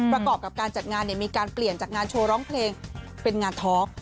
ประกอบกับการจัดงานมีการเปลี่ยนจากงานโชว์ร้องเพลงเป็นงานท้อง